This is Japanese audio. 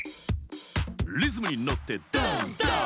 「リズムにのってダンダン」